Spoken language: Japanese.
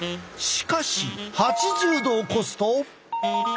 しかし８０℃を超すと。